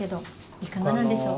いかがなんでしょう。